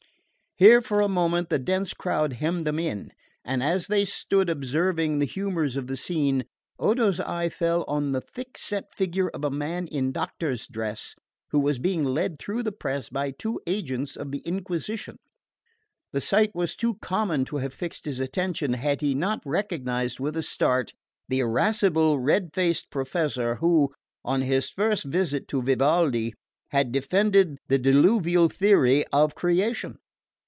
Here for a moment the dense crowd hemmed them in; and as they stood observing the humours of the scene, Odo's eye fell on the thick set figure of a man in doctor's dress, who was being led through the press by two agents of the Inquisition. The sight was too common to have fixed his attention, had he not recognised with a start the irascible red faced professor who, on his first visit to Vivaldi, had defended the Diluvial theory of creation.